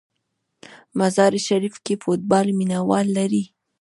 مزار شریف کې فوټبال مینه وال لري.